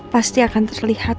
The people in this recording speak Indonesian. pasti akan terlihat